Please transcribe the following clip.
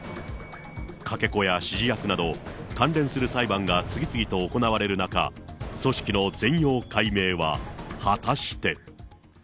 かけ子や指示役など関連する裁判が次々と行われる中、組織の全容解明は果たして。